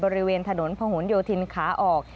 บริเวณถนนพะหนโยธินขาออก